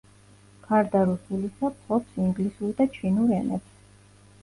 გარდა რუსულისა, ფლობს ინგლისურ და ჩინურ ენებს.